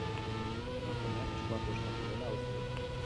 Emakumeak eskua puskatu duela uste du.